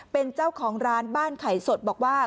เป็นเจ้าของร้านบ้านไข่สดบอกว่า